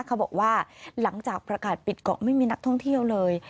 เขาบอกว่าหลังจากประกาศปิดเกาะไม่มีนักท่องเที่ยวเลย